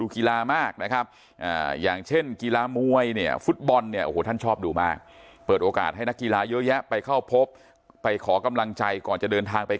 กีฬามากนะครับอย่างเช่นกีฬามวยเนี่ยฟุตบอลเนี่ยโอ้โหท่านชอบดูมากเปิดโอกาสให้นักกีฬาเยอะแยะไปเข้าพบไปขอกำลังใจก่อนจะเดินทางไป